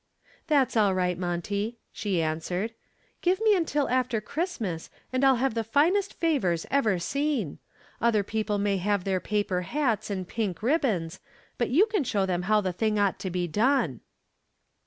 "That's all right, Monty," she answered; "give me until after Christmas and I'll have the finest favors ever seen. Other people may have their paper hats and pink ribbons, but you can show them how the thing ought to be done."